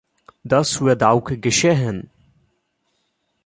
Das wird auch geschehen.